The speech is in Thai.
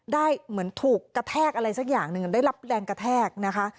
เหมือนถูกกระแทกอะไรสักอย่างหนึ่งได้รับแรงกระแทกนะคะ